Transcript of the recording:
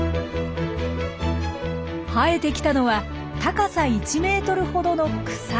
生えてきたのは高さ１ｍほどの草。